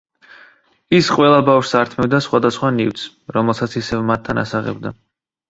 ის ყველა ბავშვს ართმევდა სხვადასხვა ნივთს, რომელსაც ისევ მათთან ასაღებდა.